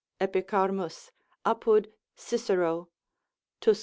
Epicharmus, apud Cicero, Tusc.